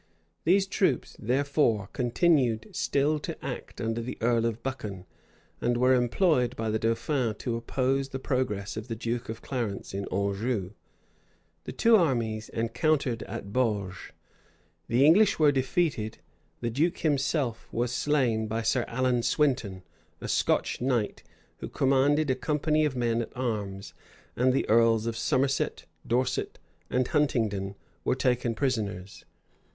These troops, therefore, continued still to act under the earl of Buchan: and were employed by the dauphin to oppose the progress of the duke of Clarence in Anjou. The two armies encountered at Baugé: the English were defeated: the duke himself was slain by Sir Allan Swinton, a Scotch knight, who commanded a company of men at arms: and the earls of Somerset,[*] Dorset, and Huntingdon were taken prisoners.